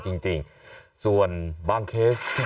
เบื้องต้น๑๕๐๐๐และยังต้องมีค่าสับประโลยีอีกนะครับ